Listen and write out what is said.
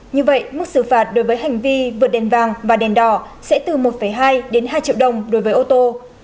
như vậy mức xử phạt đối với hành vi vượt đèn vàng và đèn đỏ sẽ từ một hai đến hai triệu đồng đối với ô tô